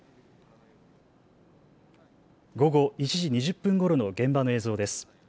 午後１時２０分ごろの現場の映像です。